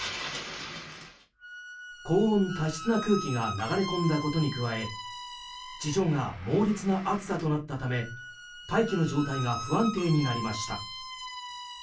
高温多湿な空気が流れ込んだことに加え地上が猛烈な暑さとなったため大気の状態が不安定になりました。